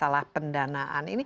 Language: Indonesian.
masalah pendanaan ini